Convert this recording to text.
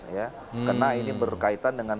karena ini berkaitan dengan